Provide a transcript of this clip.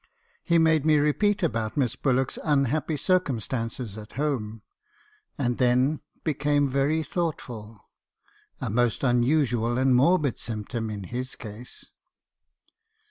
He made me repeat about Miss Bullock's un happy circumstances at home, aud then became very thoughtful — a most unusual and morbid symptom in his case.